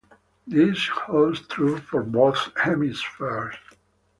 This holds true for both hemispheres.